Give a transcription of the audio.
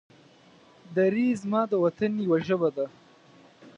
دري زما د وطن يوه ژبه ده.